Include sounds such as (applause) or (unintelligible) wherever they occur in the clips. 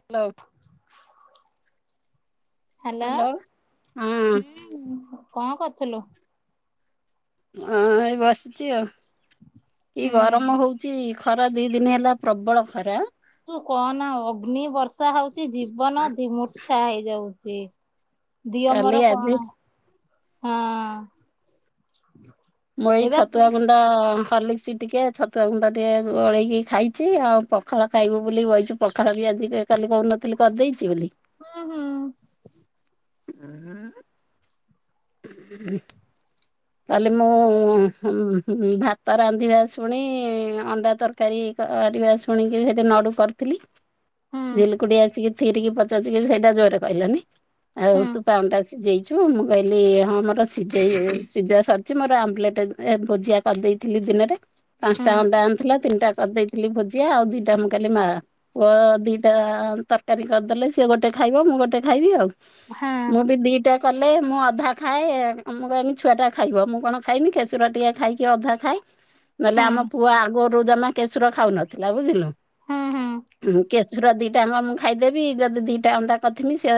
Hello. Hello hello ହଁ ହୁଁ କଣ କରୁଥିଲୁ? ହଁ ଏଇ ବସିଛି ଆଉ କି ହୁଁ। ଗରମ ହଉଚି। ଖରା ଦିଇ ଦିନି ହେଲା ପ୍ରବଳ ଖରା। ତୁ କହନା ଆଉ ଅଗ୍ନି ବର୍ଷା ହଉଛି ଜୀବନ ଧିମୂର୍ଛା ହେଇଯାଉଛି। ଦିଅ କାଲି ମୋର ଆଜି କଣ ହଁ ମୁଇ ଏବେ ପୁ ଛତୁଆ ଗୁଣ୍ଡ ହର୍ଲିକ୍ସ ଟିକେ ଛତୁଆ ଗୁଣ୍ଡ ଟିକେ ଗୋଳେଇକି ଖାଇଛି ଆଉ ପଖାଳ ଖାଇବୁ ବୋଲି ବଇଚୁ ପଖାଳ ବି ଆଜି କାଲି କହୁନଥିଲି କରିଦେଇଛି ବୋଲି ହୁଁ ହୁଁ। (inaudible) ତାହଲେ ମୁଁ ଭାତ ରାନ୍ଧିବା ଶୁଣି ଅଣ୍ଡା ତରକାରୀ ସ ଶୁଣିକି ସେଠି ନଡୁ କରିଥିଲି ହୁଁ ଝିଲିକୁଟି ଆସିକି ଥିରିକି ପଚାଚିକି ସେଇଟା ଜୋରରେ କହିଲନି ଆଉ ହୁଁ ତୁ ପା ଅଣ୍ଡା ସିଝେଇଛୁ ମୁଁ କହିଲି ହଁ ମୋର ସିଝେଇ ସିଝା ସରିଛି ମୋର ଆମ୍ବଲେଟ ଏଗ ଭୁଜିଆ କରିଦେଇଥିଲି ଦିନରେ ହୁଁ ପାଞ୍ଚଟା ଅଣ୍ଡା ଆଣିଥିଲା ତିନି ଦିଟା କରିଦେଇଥିଲି ଭୋଜିଆ ଆଉ ଦିଟା ମୁଁ କହିଲି ମା ପୁଅ ଦିଟା ତରକାରୀ କରିଦେଲେ ସିଏ ଗୋଟେ ଗୋଟେ ଖାଇବ ମୁଁ ଗୋଟେ ଖାଇବି ଆଉ ହଁ ମୁଁ ବି ଦିଟା କଲେ ମୁଁ ଅଧା ଖାଏ ଆମ ଛୁଆଟା ଖାଇବ ମୁଁ କଣ ଖାଇବି କେଶର ଟିକେ ଖାଇକି ଅଧା ଖାଏ ନହେଲେ ହୁଁ ଆମ ପୁଅ ଆଗ ପୁଅ ଜମା କେଶୁର ଖାଉ ନଥିଲା ବୁଝିଲୁ ହୁଁ ହୁଁ କେଶ୍ କେଶୁରା ଦିଟାଙ୍କା ମୁଁ ଖାଇଦେବି ଯଦି ଦିଟା ଅଣ୍ଡା କରିଥିମି ସେ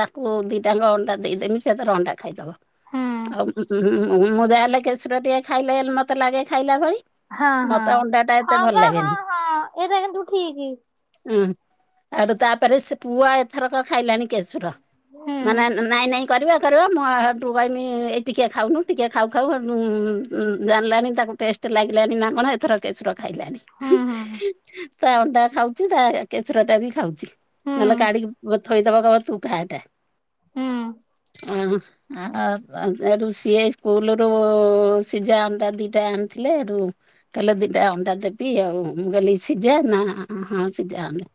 ତାକୁ ଦିଟାଙ୍କ ଅଣ୍ଡା ଦେଇଦେମି ସେ ତାର ଅଣ୍ଡା ଖାଇଦବ। ହୁଁ ଆଉ ମୁଁ ଯାହେଲେ କେଶର ଟିକେ ଖାଇଲେ ହେଲେ ମୋତେ ଲାଗେ ଖାଇଲା ଭଳି ହଁ ହଁ ମତେ ଅଣ୍ଡାଟା ଏତେ ହଁ ଭଲ ବା ହଁ ଲାଗେନି ହଁ ଏଇଟା କିନ୍ତୁ ଠିକ୍। ଆର ତାପରେ ସେ ପୁଅ ଆଉ ଏଥରକ ଖାଇଲାନି କେଶୁର ହୁଁ ମାନେ ନାଇଁ ନାଇଁ କରିବା କରିବା ମୁଁ ହେଟୁ କହିଁମି ଟିକିଏ ଖାଉନୁ ଟିକିଏ ଖାଉ ଖାଉ ଉଁ ଉଁ ଜାଣିଲାଣି ତାକୁ ଟେଷ୍ଟ ଲାଗିଲାଣିି ନା କଣ ଏଥର କେଶର ଖାଇଲାଣିି ହୁଁ ହୁଁ ହୁଁ। ତା ଅଣ୍ଡା ଖାଉଛି ତା କେଶରଟା ବି ଖାଉଛି। ନହେଲେ ହୁଁ କାଡିିକି ବ ଥୋଇଦବ କହିବ ତୁ ଖା ଏଇଟା। ହୁଁ। ଆହୁଁ ହ ଆ ଆ। ଯେହେତୁ ସିଏ ସ୍କୁଲ ରୁ ସିଝା ଅଣାଟା ଦିଟା ଆଣିଥିଲେ ଏଠୁ କହିଲେ ଦିଟା ଅନ୍ ଅଣ୍ଡା ଦେବି ଆଉ ମୁଁ କାଲି ସିଝା ନା ହଁ ସିଝା ଅଣ୍ଡା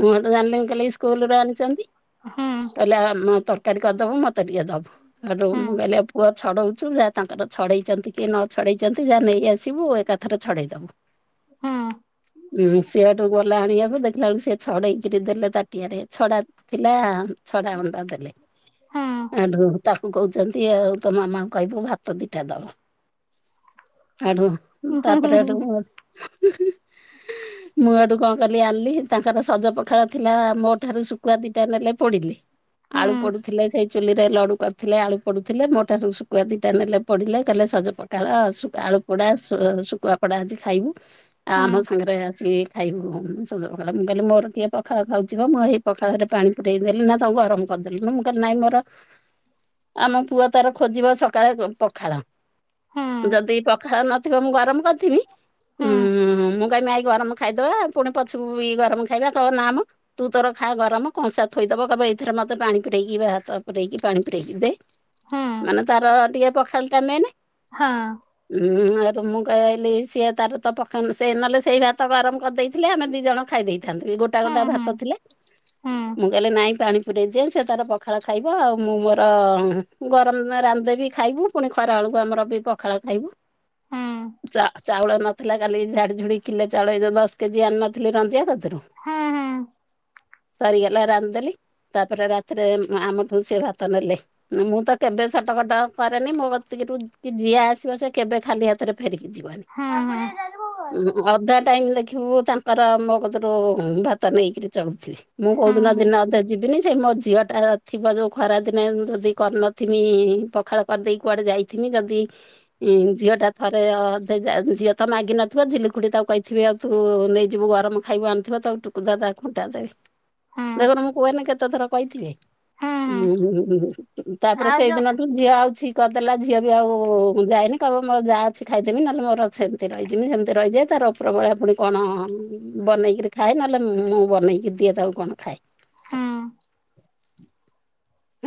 ମୁଁ ଏଠୁ ଜାଣିନି ମୁଁ କାଲି ସ୍କୁଲରୁ ଆଣିଛନ୍ତି। ହୁଁ ହୁଁ ହୁଁ ହୁଁ କହିଲେ ଆମ ତରକାରୀ କରିଦବୁ ମତେ ଟିକେ ଦବୁ ଏଠୁ ମୁଁ କହିଲି ପୁଅ ଛଡ଼ଉଛୁ ଯାହା ତାଙ୍କର ଛଡ଼େଇଛନ୍ତି କି ନ ଛଡ଼େଇଛନ୍ତି ଯାହା ନେଇଆସିବୁ ଏକାଥରେ ଛଡ଼େଇ ଦେବୁ। ହୁଁ ସେଏଠୁ ଗଲା ଆଣିବା କୁ ଦେଖିଲା ବେଳକୁ ସେ ଛଡେଇକି ରେ ତେଲ ତାଟିଆରେ ଛଡ଼ା ଥିଲା। ଛଡ଼ା ଅଣ୍ଡା ଦେଲେ ହୁଁ ହୁଁ ଏଣ୍ଡୁରୁ ତାକୁ କହୁଛ ଦି ଆଉ ତ ମାମାଙ୍କୁ କହିବୁ ଭାତ ଦିଟା ଦବ। ଆଡୁ ତାପରେ ଆଡୁ ମୁଁ ଆଡୁ କଣ କଲି ଆଣିଲି ତାଙ୍କର ସଜ ପଖାଳ ଥିଲା ମୋ ଠାରୁ ଶୁଖୁଆ ଦିଟା ନେଲେ ପୋଡ଼ିଲି। ହୁଁ ଆଳୁ ପଡ଼ୁଥିଲେ ସେଇ ଚୁଲିରେ ଲଡୁ କରିଥିଲେ ଆଳୁ ପଡ଼ୁଥିଲେ ମୋ ଠାରୁ ଶୁଖୁଆ ଦିଟା ନେଲେ। ପଡ଼ିଲେ କହିଲେ ସଜ ପଖାଳ ଶୁ ଆଳୁପୋଡ଼ା ଶୁ ଶୁଖୁଆପୋଡ଼ା ଆଜି ଖାଇବୁ। ଆ ଆମ ସାଙ୍ଗରେ ଆସି ଖାଇବୁ ହଁ ସଜ ପଖାଳ, ମୁଁ କହିଲି ମୋର କିଏ ପଖାଳ ଖାଉଛି ମ। ମୁଁ ଏହି ପଖାଳରେ ପାଣି ପୁରେଇ ଦେଲି ନା ତାକୁ ଗରମ କର ଆଉ ଦେଲିନି ମୁଁ କହିଲି ନାଇଁ ମୋର ଆମ ପୁଅ ତାର ଖୋଜିବ ସକାଳେ ଗ ପଖାଳ। ହୁଁ ଯଦି ପଖାଳ ନଥିବ ମୁଁ ଗରମ କରିଥିବି ହୁଁ। ମୁଁ କହିବି ଗରମ ଖାଇଦବା ପୁଣି ପଛକୁ ଇ ଗରମ ଖାଇବା ତ ନାମ ତୁ ତୋର ଖା ଗରମ କଂସା ଥୋଇଦବ କହିବ ଏଇଥିରେ ମୋତେ ପାଣି ପୁରେଇକି ଭାତ ପୁରେଇକି ପାଣି ପୁରେଇକି ଦେ। ହୁଁ। ମାନେ ତାର ଟିକେ ପଖାଳ ଟା ମେନେ। ହଁ। ମୁଁ ଏଠୁ ମୁଁ କହିଲି ସିଏ ତାର ତ ପଖାନ ସେ ନହେଲେ ସେଇ ଭାତ ଗରମ କରିଦେଇଥିଲେ ଆମେ ଦୁଇ ଜଣ ଖାଇ ଦେଇ ଥାଳିରେ ବି ଗୋଟା ହୁଁ ଗୋଟା ହୁଁ ଭାତ ଥିଲେ ହୁଁ ମୁଁ କହିଲେ ନାଇଁ ପାଣି ଗୋଟିଏ ଝିଅ ସେ ତାର ପଖାଳ ଖାଇବ ଆଉ ମୁଁ ମୋର ଗରମ (unintelligible) ରାନ୍ଧି ଦେବି ଖାଇବୁ ପୁଣି ଖରା ବେଳକୁ ଆମର ବି ପଖାଳ ଖାଇବୁ। ହୁଁ ଚା ଚାଉଳ ନଥିଲା କାଲି ଝାଡ଼ି ଝୁଡ଼ି କିଲେ ଚାଉଳ ଏଇ ଯୋଉ ଦଶ କେ ଜି ଆଣି ନଥିଲି ରଞ୍ଜିଆ କତିରୁ ହଁ -ହଁ। ସରିଗଲା ରାନ୍ଧିଦେଲି ତାପରେ ରାତିରେ ଉଁ ଆମଠଉ ସେ ଭାତ ନେଲେ। ମୁଁ ତ କେବେ ସଟକଟ କରେନି ମୋ କତିକି ରୁ ଯିଏ ଆସିବ ସେ କେବେ ଖାଲି ହାତରେ ଫେରିକି ଯିବ୍ ହୁଁ ହୁଁ ଅଧା ଟାଇମ ଲା ଖିବୁ ତାଙ୍କର ମୋ କତରୁ ଭାତ ନେଇକିରି ଚଳୁଥିବେ ମୁଁ କୋଉ ହୁଁ ଦିନ ଦିନେ ଅଧା ଯିବ ଦିନି ସେ ମୋ ଝିଅଟା ଥିବ ଯୋଉ ଖରାଦିନେ ଯଦି, କରିନଥିମି ପଖାଳ କରିଦେଇ କୁଆଡ଼େ ଯାଇଥିମି ଯଦି ହଁ ଝିଅଟା ଥରେ ଅଧେ ଯା ଝିଅ ତ ମାଗିନ ନଥିବ ଝିଲି ଖୁଡ଼ି ତାକୁ କହିଥିବେ ଆଉ ତୁ ନେଇଯିବୁ ଗରମ ଖାଇବ ଆଣୁଥିବ ତାକୁ ଟୁକୁଦାଦା ଥଣ୍ଡା ଦେ ହୁଁ ଦେଖନୁ ହୁଁ ମୁଁ କୁହେନି କେତେ ଥର କହିଥିବି। ହୁଁ (unintelligible) ତାପରେ ଆଉ ସେଇ ଯୋଉ ଦିନଠୁ ଝିଅ ଆଉଛି କରିଦେଲା ଝିଅ ବି ଆଉ ଯାଏନି କହିବ ମୋର ଯାହା ଅଛି ଖାଇଦେମି ନହେଲେ ମୋର ସେମତି ରହିଯିମି ସେମିତି ରହିଯାଏ ତ ତାର ଉପରବେଳା ପୁଣି କଣ ବନେଇକିରି ଖାଏ, ନହେଲେ ମୁଁ ବନେଇକି ଦିଏ ତାକୁ କଣ ଖାଏ। ହୁଁ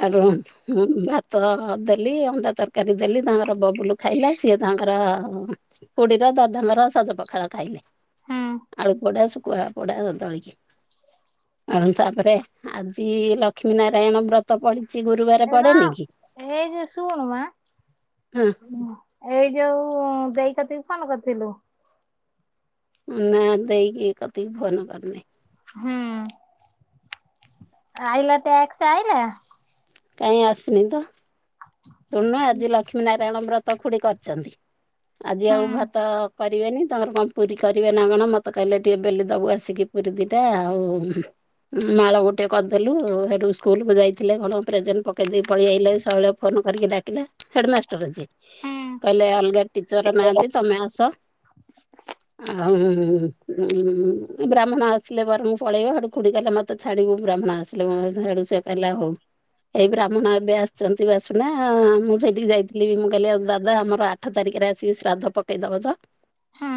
ଏଠୁ ମୁଁ ଭାତ ଦେଲି ଅଣ୍ଡା ତରକାରୀ ଦେଲି ତାଙ୍କର ବବୁଲୁ ଖାଇଲା ସିଏ ତାଙ୍କ ତାଙ୍କର ଖୋଡିର ଦାଦାଙ୍କର ସଜପଖାଳ ଖାଇଲେ ହୁଁ ଆଳୁ ପୋଡ଼ା ଶୁ ଶୁକୁଆ ପୋଡ଼ା ଦଳିଖିଆ। ଆଉ ତାପରେ ଆଜି ଲକ୍ଷ୍ମୀ ନାରାୟଣ ବ୍ର (unintelligible) ଏଜେ ଶୁଣୁ ମା। ହଁ ହୁଁ ଏଇ ଯୋଉ ଦେଇ କତିକୁ ଫୋନ୍ କରିଥିଲୁ? ହୁଁ ନା ଦେଇକି କତିକି ଫୋନ୍ କରିନି। ହୁଁ ଆଇଲା ଟାସ୍କ ଆଇଲା? କାଇଁ ଆସିନି ତ, ଶୁଣୁନା ଆଜି ଲକ୍ଷ୍ମୀ ନାରାୟଣ ବ୍ରତ ଖୁଡ଼ି କରିଛନ୍ତି। ଆଜି ହୁଁ ଆଉ ଭାତ କରିବେନି ତମର କଣ ପୁରୀ କରିବେ ନା କଣ ମତେ କହିଲେ ଟିକେ ବେଲି ଦବୁ ଆସିକି ପୁରୀ ଦିଟା ଆଉ ମାଳ ଗୋଟେ କରିଦେଲୁ ସେଠୁ ସ୍କୁଲ କୁ ଯାଇଥିଲେ କଣ ପ୍ରେଜେଣ୍ଟ ପକେଇଦ ପଳେଇ ଆଇଲେ ଶୈଳ ଫୋନ୍ କରିକି ଡାକିଲେ ହେଡ ମାଷ୍ଟର ଯିଏ ହୁଁ କହିଲେ ଅଲଗା ଟିଚର ନାହାନ୍ତି ତମେ ଆସ। ବ୍ରାହ୍ମଣ ଆସିଲା ବ ପରେ ମୁଁ ପଳେଇବ ହେଟୁ ଖୁଡି କହିଲେ ମତେ ଛାଡିବୁ ବ୍ରାହ୍ମଣ ଆସି ଆସିଲ ଡୁ ସେ କହିଲା ହଉ ଏଇ ବ୍ରାହ୍ମଣ ଏବେ ଆସିଛନ୍ତି ବା ମୁଁ ସେଇଠିକି ଯାଇଥିଲି ବି ମୁଁ କହିଲି ଆଉ ଦାଦା ଆମର ଆଠ ତାରିଖରେ ଆସିକି ଶ୍ରାଦ୍ଧ ପକେଇଦବ ତ ହୁଁ।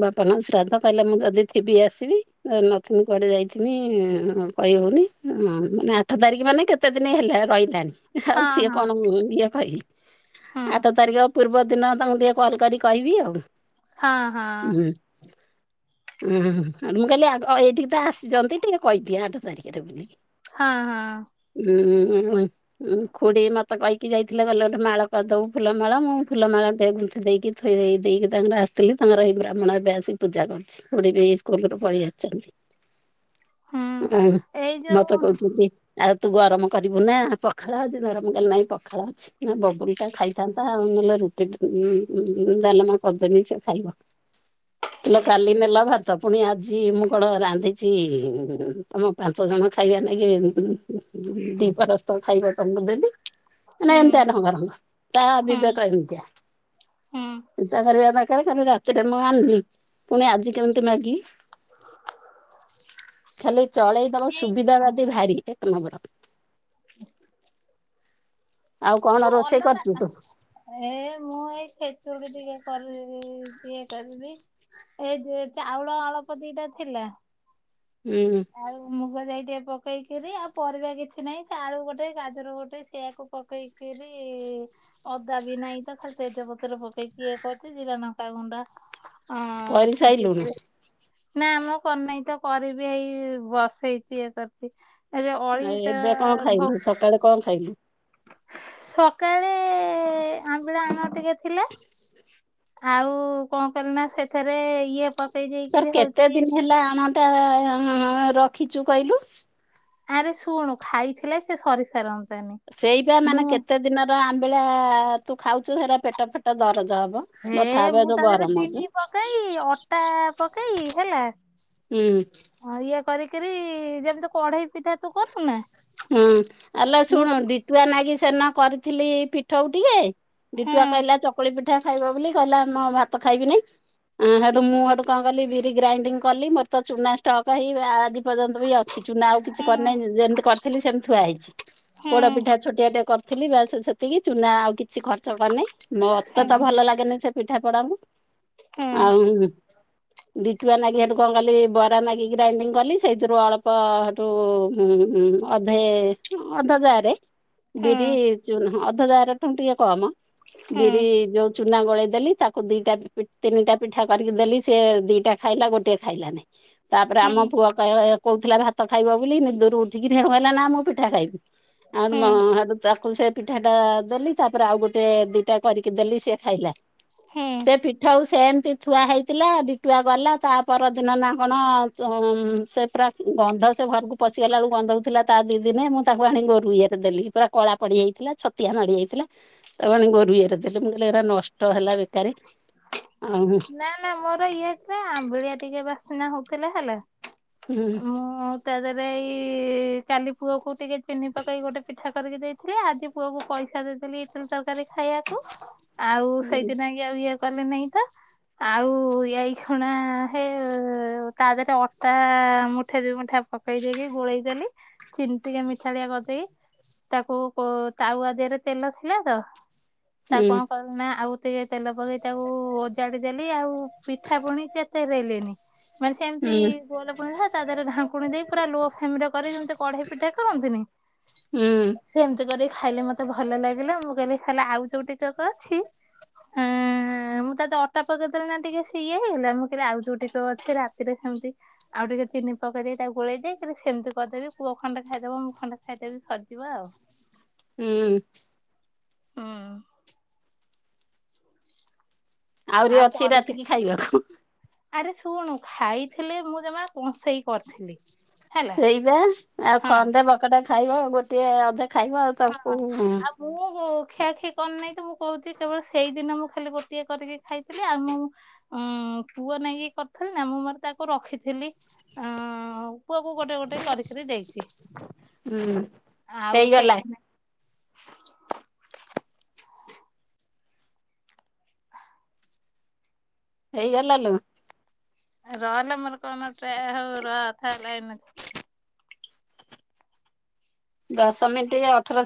ବାପାଙ୍କ ଶ୍ରାଦ୍ଧ କହିଲା ମୁଁ ଯଦି ଥିବି ଆସିବି ନଥିମି କୁଆଡ଼େ ଯାଇଥିମି। କହିହଉନି ମାନେ ଆଠ ତାରିଖ ମାନେ କେତେ ଦିନ ହେଲା ରହିଲାନି। ଆଉ ହଁ ସିଏ ହଁ କଣ ଇଏ କହି ହୁଁ ଆଠ ତାରିଖ। ପୂର୍ବଦିନ ତାଙ୍କୁ ଟିକେ କଲ୍ କରି କହିବି ଆଉ। ହଁ ହଁ। ଉଁ ଆଠୁ ମୁଁ କହିଲି ଏଇଠିକି ତ ଆସିଛନ୍ତି ଟିକେ କହିଦିଏ ଆଠ ତାରିଖରେ ବୋଲିକି। ହଁ ହଁ। ଉଁ। ଉଁ ଖୁଡି ମତେ କହିକି ଯାଇଥିଲେ କଇଲେ ଗୋଟେ ମାଳ କରିଦେବୁ ଫୁଲମାଳ ମୁଁ ଫୁଲମାଳଟେ ଗୁଁଥି ଦେଇକି ଥୋଇି। ଥୋଇ ଦେଇକି ତାଙ୍କର ଆସିଥିଲି ତାଙ୍କର ଏଇ ବ୍ରାହ୍ମଣ ଏବେ ଆସି ପୂଜା କରୁଛି ଖୁଡି ବି ସ୍କୁଲ ରୁ ପଳେଇ ଆସିଛନ୍ତି। ହୁଁ ଉଁ ଏଇ ମତେ ଯୋଉ କହୁଛନ୍ତି ଆଉ ତୁ ଗରମ କରିବୁ ନା ପ ପଖାଳ ଅଛି ଗରମ ମୁ କହିଲି ନାହିଁ ପଖାଳ ଅଛି ନା ବବୁଲୁ ଟା ଖାଇଥାନ୍ତା ଆଉ ନହେଲେ ରୁଟି ଉଁ ଉଁନ ଉଁନ। ଡାଲମା କରିଦେମି ସେ ଖାଇବ। କିଲୋ କାଲି ନେଲା ଭାତ ପୁଣି ଆଜି ମୁଁ କଣ ରାନ୍ଧିଛି ତମ ପାଞ୍ଚ ଜଣ। ଖାଇବା ନାଗି ଦୀପରସ୍ତ ଖାଇବ ତମକୁ ଦେବି। ନା ହୁଁ ଏମିତିଆ ଢଙ୍ଗ ରଙ୍ଗ ତା ହୁଁ ବିବେକ ଏମିତିଆ। ହୁଁ ଚିନ୍ତା କରିବା ଦରକାର କାଲି ରାତିରେ ମୁଁ ଆଣିଲି ପୁଣି ଆଜି କେମିତି ମାଗିବି। ଖାଲି ଚଳେଇ ଦବ ଏଇ ସୁବିଧା ବାଦି ଭାରି ଏକ ନମ୍ବର। ଆଉ କଣ ତୁ ରୋଷେଇ ଅଲଗା କରିଛୁ ତୁ ଏ ମୁଁ ଏଇ ଖେଚୁଡି ଟିକେ କରିବି। ଇଏ କରିବି ଏ ଯେ ଚାଉଳ ଅଳପ ଦିଟା ଥିଲା। ହୁଁ ଆଉ ମୁଗ। ଯାଇ ଟିକେ ପକେଇକିରି ଆଉ ପରିବା କିଛି ନାହିଁ ସେ ଆଳୁ ଗୋଟେ ଗାଜର ଗୋଟେ ସେଆକୁ ପକେଇକି। ରି ଅଦା ବି ନାଇ ତ ଖାଲି ତେଜପତ୍ର ପକେଇକି ଇଏ କରିୁଛି ଜିରା ଲଙ୍କା ଗୁଣ୍ଡା। ହ କରିସାଇଲୁଣୁ। ନା ମୁ କରିନାହିଁ ତ କରିବି ହେଇ ବସେଇଛି ଇଏ କରିଛି। ଏ ଯୋଉ ଅଳି ଏଇ ତ ଏବେ କଣ ଭୋ ଖାଇଲୁ ସକାଳେ କଣ ଖାଇଲୁ? ସକାଳେ ଆମ୍ବିଳା ଆଣ ଟିକେ ଥିଲା। ଆଉ କଣ କଲି ନା ସେଥିରେ ଇଏ ପ। ତୋର କେତେ ଦିନ ହେଲା ଆଣଟା ରଖିଛୁ କହିଲୁ? ଆରେ ଶୁଣୁ ଖାଇଥିଲେ ସେ ସରିସାରନ୍। ସେଇପା ମାନେ କେତେ ଦିନର ଆମ୍ବିଳା। ତୁ ଖାଉଛୁ ହେରା ପେଟ ଫେଟ ଦରଜ ହବ ହେ ବଥା ହବ ଏ ମୁଁ ଯୋଉ ତା ଗରମକୁ। ତାକୁ ପକେଇକି ହେଲା। ହୁଁ। ଇଏ କରିକିରି ଯେମିତି କଢେଇ ପିଠା ତୁ କରୁନା। ହୁଁ ଆଲୋ ମୁଁ ଶୁଣୁ ସେ ଡିତୁଆ ନାଗି ସେଦିନ କରିଥିଲି ପୀଠଉ ଟିକେ। ଡିଟୁଆ ହୁଁ କହିଲା ଚକୁଳି ପିଠା ଖାଇବ ବୋଲି କହିଲା ମୁ ଭାତ ଖାଇବିନି। ଉଁ ହେଟୁ ମୁଁ ହେଟୁ କଣ କଲି ବିରି ଗ୍ରାଇଣ୍ଡିଂ କଲି ମୋର ତ ଚୁନା ଷ୍ଟକ ହେଇ ଆଜି ପର୍ଯ୍ୟନ୍ତ ବି ଅଛି। ସେ ଚୁନା ଆଉ କିଛି ହୁଁ କରିନାହିଁ ଯେମିତି କରିଥିଲି ସେମିତି ଥୁଆ ହେଇଛି ହୁଁ ପୋଡ ପିଠା ଛୋଟାଆ ଟେ କର। ଥିଲି ବାସ ସେତିକି ଚୁନା ଆଉ କିଛି ଖର୍ଚ୍ଚ କରିନି ମତେ ହୁଁ ତ ଭଲ ଲାଗେନି ସେ ପିଠା ପଣା କୁ। ହୁଁ ଆଉ। ଡିଟୁଆ ନାଗି ସେଠୁ କଣ କଲି ବରା ନାଗି ଗ୍ରାଇଣ୍ଡିଙ୍ଗ କଲି ସେଇଥିରୁ ଅଳ୍ପ ସେଠୁ। ଅଧେ ଅଧାଜାର ହୁଁ ହୁଁ ବିରି ଚୁ ଅଧଜାର ଠୁ ଟିକେ କମ। ବିରି ହୁଁ ଯୋଉ ଚୁନା ଗୋଳେଇ ଦେଲି ତାକୁ ଦିଟା ତିନିଟା ପିଠା କରିକି। ଦେଲି ସେ ଦିଟା ଖାଇଲା ଗୋଟେ ଖାଇଲାନି ତାପରେ ଆମ ପୁଅ କହିବ। କହୁଥିଲା ଭାତ ଖାଇବ ବୋଲି ନିଦରୁ ଉଠିକି ହେଟୁ କହିଲା ନା ମୁଁ ପିଠା ଖାଇବି। ହୁଁ (unintelligible) ତାକୁ ସେ ପିଠା ଟା ଦେଲି ତାପରେ ଆଉ ଗୋଟେ ଦିଟା କରିକି ଦେଲି ସେ ଖାଇଲା ହୁଁ ସେ ପିଠା ହଉ ସେମିତି ଥୁଆ ହେଇଥିଲା ଡିିଟୁଆ ଗଲା ତା ପରଦିନ ନା କଣ ସେ ପ୍ରା ଗନ୍ଧ ସେ ଘରକୁ ପଶିଗଲା ବେଳକୁ ଗନ୍ଧଉଥିଲା ତା ଦି ଦିନେ ମୁଁ ତାଙ୍କୁ ଆଣି ଗୋରୁ ଇଏରେ ଦେଲି ପୁରା କଳା ପଡିଯାଇଥିଲା ଛତିଆ ମାଡିଯାଇଥିଲା। ତାକୁ ଆଣି ଗୋରୁ ଇଏରେ ଦେଲି ମୁଁ କଇଲି ଏରା ନଷ୍ଟ ହେଲା ବେକାର। ନା ନା ମୋର ଇଏ ଟା ଆମ୍ବିଳିଆ ଟିକେ ବାସନା ହଉଥିଲା ହେଲା। ହୁଁ ମୁଁ ତା ଦେହରେ ଏଇ କାଲି ପୁଅକୁ ଟିକେ ଚିନି ପକେଇ ଗୋଟେ ପିଠା କରିକି ଦେଇଥିଲି ଆଜି ପୁଅକୁ ପଇସା ଦେଇଦେଲି ଇଟିଲି ତରକାରୀ ଖାଇବାକୁ ଆଉ ହୁଁ ସେଇଦିନ କି ଆଉ ଇଏ କଲେ ନାଇଁ ତ ଆଉ ଏଇ ଖଣା ହେ ତା ଦେହରେ ଅଟା ମୁଠେ ମୁଠା ପକେଇ ଦେଇକି ଗୋଳେଇଦେଲି ଚିିନ ଟିକେ ମିଠାଳିଆ କରିଦେଇ ତାକୁ ତାୱଆ ଦେହରେ ତେଲ ଥିଲା ତ ତା ହୁଁ କଣ କଲି ନା ଆଉ ଟିକେ ତେଲ ପକେଇ ତାକୁ ଓଜାଡି ଦେଲି ଆଉ ପିଠା ପୁଣି ଚେତେଇ ଦେଳିଣି। ମାନେ ସେମିତି ହୁଁ ଗୋଲ (unintelligible) ତା ଦେହରେ ଢାଙ୍କୁଣି ଦେଇ ପୁରା ଲୋ ଫ୍ଲେମ ରେ କରିକି ଯେମିତି କଢେଇ ପିଠା କରନ୍ତିନି ହଁ ହୁଁ ସେମିତି କରିକି ଖାଇଲେ ମତେ ଭଲ ଲାଗିଲା ମୁଁ କଇନି ଖାଲି ଆଉ ଯୋଉ ଟିକ କ ଅଛି ଆଁ ମୁଁ ତତେ ଅ ତା ପକେଇଦେଲେ ନା ଟିକେ ସିଏ ହେଇଗଲା ମୁଁ କଇଲି ଆଉ ଯୋଉ ଟିକେ ଅଛି ରାତିରେ ସେମିତି ଆଉ ଟିକେ ଚିନି ପକେଦେ ସେ ତାକୁ ଗୋଳେଇ ଦେଇ ସେମିତି କରିଦେବି ପୁଅ ଖଣ୍ଡେ ଖାଇଦବ ମୁଁ ଖଣ୍ଡେ ଖାଇଦେବି ସରିଯିବ ଆଉ। ହୁଁ। ହଁ। ଆହୁରି ଆଉ ଅଛି କରିକି ରାତିକି ଖାଇବାକୁ। ଆରେ ଶୁଣୁ ଖାଇଥିଲେ ମୁଁ ଜମା କସେଇ କରିଥିଲି। ହେଲା। ସେଇବା ଆଉ ହଁ ଖଣ୍ଡେ ବକଟେ ଖାଇବ ଗୋଟେ ଅଧେ ଖାଇବ ଆଉ ହଁ ତାକୁ ହୁଁ ଆଉ ମୁଁ ଖିଆଖିଇ କରନେଇତ ମୁଁ କହୁଚି କେବଳ ସେଇଦିନ ମୁଁ ଖାଲି ଗୋଟିଏ କରିକି ଖାଇଥିଲି ଆଉ ମୁଁ ଉଁ ପୁଅ ନାଗି କରିଥିଲି ନା ମୁଁ ମୋର ତାକୁ ରଖିଥିଲି। ଅ ପୁଅକୁ ଗୋଟେ ଗୋଟେ କରିକିରି ଦେଇଚି। ହୁଁ ହେଇଗଲା। ହେଇଗଲା ଲୋ। ରଅଲ ମୋର କଣ ଟେ ରଥା ଲାଇନ୍ ରେ ଦଶ ମିନିଟ ଅଠର